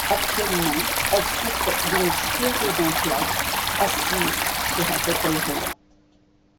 Actuellement, elle souffre d'une sclérose en plaques, assise sur un fauteuil roulant.